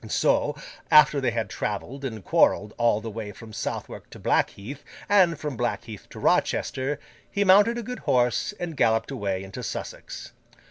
So, after they had travelled and quarrelled all the way from Southwark to Blackheath, and from Blackheath to Rochester, he mounted a good horse and galloped away into Sussex.